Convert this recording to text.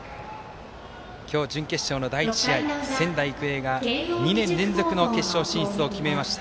今日、準決勝の第１試合仙台育英が２年連続の決勝進出を決めました。